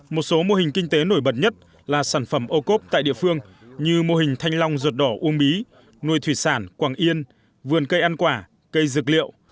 một số mô hình kinh tế nổi bật nhất là sản phẩm ô cốp tại địa phương như mô hình thanh long ruột đỏ uông bí nuôi thủy sản quảng yên vườn cây ăn quả cây dược liệu